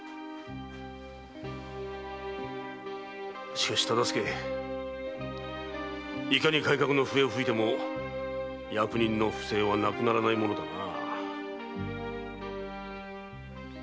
しかし忠相いかに改革の笛を吹いても役人の不正はなくならないものだな。